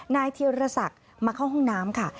นายเทียรสักมาเข้าห้องน้ำค่ะ